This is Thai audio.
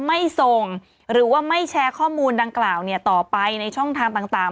ไม่ส่งหรือว่าไม่แชร์ข้อมูลดังกล่าวต่อไปในช่องทางต่าง